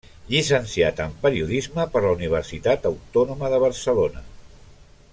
Llicenciat en periodisme per la Universitat Autònoma de Barcelona.